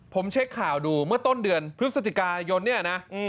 ผมเช็คข่าวดูเมื่อต้นเดือนพฤศจิกายน